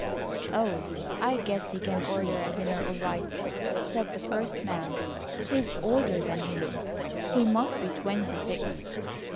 "Oh, I guess he can order a dinner all right," said the first man. "He is older than he looks. He must be twenty six."